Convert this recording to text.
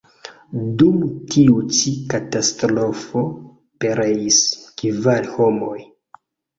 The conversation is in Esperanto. Dum tiu ĉi katastrofo pereis kvar homoj.